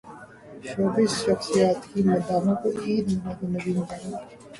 showbiz شخصیات کی مداحوں کو عید میلاد النبی کی مبارکباد